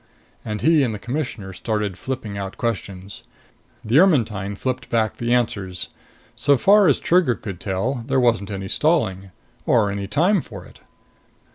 And he and the Commissioner started flipping out questions. The Ermetyne flipped back the answers. So far as Trigger could tell, there wasn't any stalling. Or any time for it.